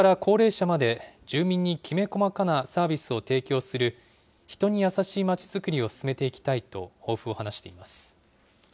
子どもから高齢者まで住民にきめ細かなサービスを提供する人に優しいまちづくりを進めていきたいと抱負を話しています。